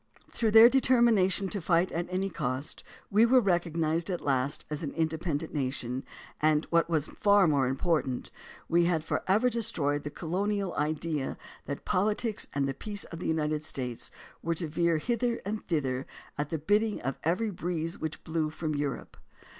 Through their determination to fight at any cost we were recog nized at last as an independent nation, and, what was far more important, we had forever destroyed the colo 164 JOHN C. CALHOUN nial idea that the poUtics and the peace of the United States were to veer hither and thither at the bidding of every breeze which blew from Europe.